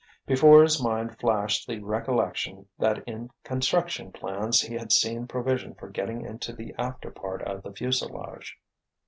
Before his mind flashed the recollection that in construction plans he had seen provision for getting into the after part of the fuselage.